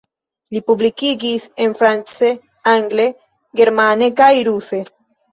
Li publikigis en france, angle, germane kaj ruse.